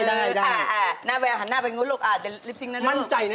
พลงกับจานพลงกับจานอยู่นี่